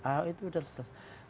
ahok itu udah selesai